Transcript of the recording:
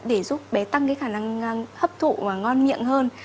để giúp bé tăng cái khả năng hấp thụ và ngon miệng hơn